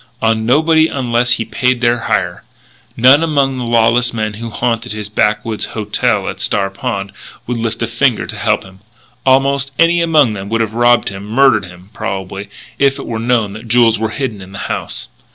On nobody unless he paid their hire. None among the lawless men who haunted his backwoods "hotel" at Star Pond would lift a finger to help him. Almost any among them would have robbed him, murdered him, probably, if it were known that jewels were hidden in the house.